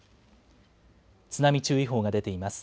津波注意報が出ています。